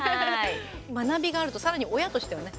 学びがあるとさらに親としてはね